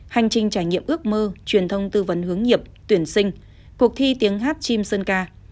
hành trình trải nghiệm ước mơ truyền thông tư vấn hướng nghiệp tuyển sinh cuộc thi tiếng hát chim sơn ca